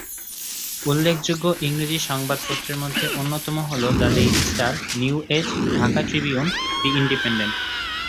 উল্লেখযোগ্য ইংরেজি সংবাদপত্রের মধ্যে অন্যতম হলো "the Daily Star", "New Age", "Dhaka Tribune", "the independent".